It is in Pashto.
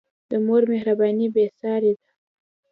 د مور مهرباني بېساری ده.